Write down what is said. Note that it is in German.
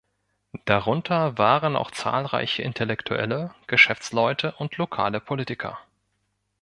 Darunter waren auch zahlreiche Intellektuelle, Geschäftsleute und lokale Politiker.